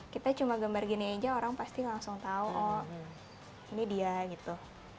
kita cuma gambar gini aja orang pasti langsung tahu oh ini dia gitu